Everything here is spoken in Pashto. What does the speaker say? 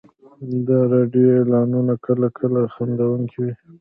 د راډیو اعلانونه کله کله خندونکي وي.